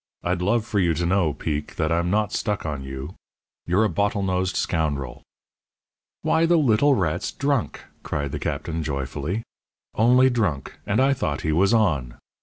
"I'd love for you to know, Peek, that I'm not stuck on you. You're a bottle nosed scoundrel." "Why, the little rat's drunk!" cried the Captain, joyfully; "only drunk, and I thought he was on!